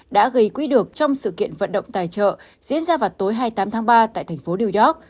đã gây quỹ được trong sự kiện vận động tài trợ diễn ra vào tối hai mươi tám tháng ba tại thành phố new york